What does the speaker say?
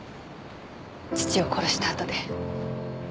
父を殺したあとで。